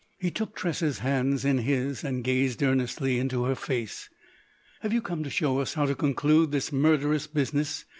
He took Tressa's hands in his and gazed earnestly into her face. "Have you come to show us how to conclude this murderous business?"